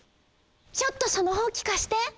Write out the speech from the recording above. ちょっとそのほうきかして。